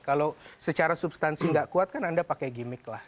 kalau secara substansi nggak kuat kan anda pakai gimmick lah